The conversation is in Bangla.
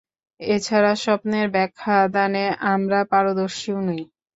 এছাড়া স্বপ্নের ব্যাখ্যা দানে আমরা পারদর্শীও নই।